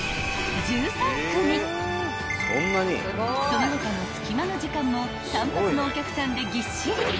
［その他の隙間の時間も単発のお客さんでぎっしり］